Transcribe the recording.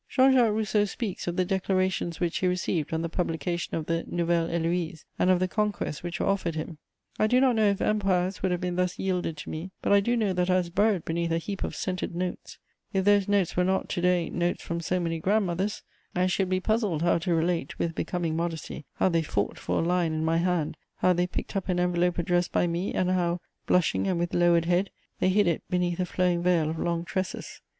Jean Jacques Rousseau speaks of the declarations which he received on the publication of the Nouvelle Héloïse and of the conquests which were offered him: I do not know if empires would have been thus yielded to me, but I do know that I was buried beneath a heap of scented notes; if those notes were not, to day, notes from so many grand mothers, I should be puzzled how to relate, with becoming modesty, how they fought for a line in my hand, how they picked up an envelope addressed by me, and how, blushing and with lowered head, they hid it beneath a flowing veil of long tresses.